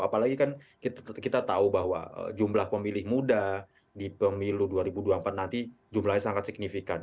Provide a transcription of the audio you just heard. apalagi kan kita tahu bahwa jumlah pemilih muda di pemilu dua ribu dua puluh empat nanti jumlahnya sangat signifikan